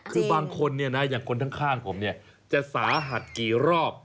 คือบางคนเนี่ยนะอย่างคนข้างผมเนี่ยจะสาหัสกี่รอบ